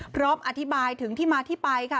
พร้อมอธิบายถึงที่มาที่ไปค่ะ